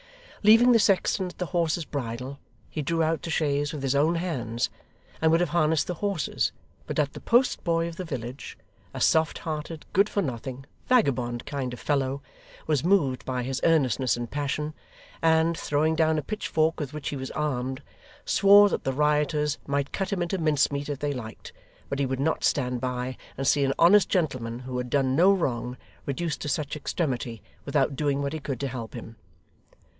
Leaving the sexton at the horse's bridle, he drew out the chaise with his own hands, and would have harnessed the horses, but that the post boy of the village a soft hearted, good for nothing, vagabond kind of fellow was moved by his earnestness and passion, and, throwing down a pitchfork with which he was armed, swore that the rioters might cut him into mincemeat if they liked, but he would not stand by and see an honest gentleman who had done no wrong, reduced to such extremity, without doing what he could to help him.